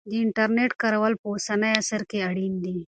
د انټرنیټ کارول په اوسني عصر کې اړین دی.